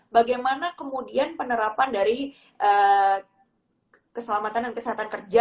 bagaimana kemudian penerapan dari keselamatan dan kesehatan kerja